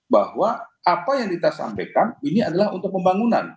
bahwa apa yang kita sampaikan ini adalah untuk pembangunan